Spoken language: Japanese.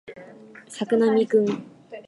作並くん